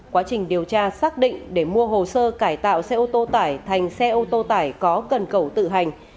quá trình điều tra xác định để mua hồ sơ cải tạo xe ô tô tải thành xe ô tô tải có cần cầu tự hành